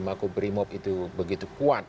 makubrimob itu begitu kuat